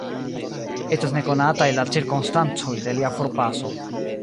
Estas ne konataj la cirkonstancoj de lia forpaso.